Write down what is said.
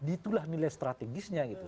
itulah nilai strategisnya gitu